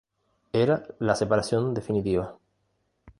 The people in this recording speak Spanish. Era la separación definitiva.